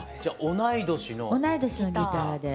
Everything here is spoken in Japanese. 同い年のギターではい。